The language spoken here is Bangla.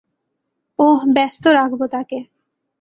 ওহ, ব্যস্ত রাখব তাকে।